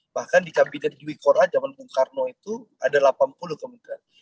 bahkan di kabinet juikora zaman bung karno itu ada delapan puluh kementerian